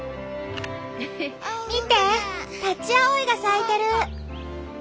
見てタチアオイが咲いてる。